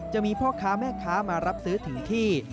จะมีพ่อค้าแม่ค้ามารับซื้อถึงที่